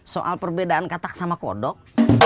soal perbedaan katak sama kodok